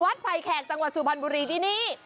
ไฟแขกจังหวัดสุพรรณบุรีที่นี่